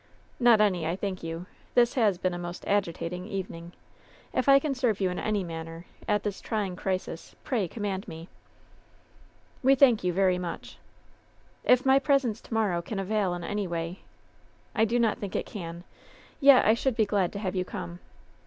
"Not any, I thank you. This has been a most agi tating evening. If I can serve you in any manner, at this trying crisis, pray command me." "We thank you very much." "If my presence to morrow can avail in any way ^" "I dp not think it can, yet I should be glad to have you come."